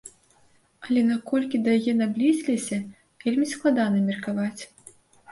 Але наколькі да яе наблізіліся, вельмі складана меркаваць.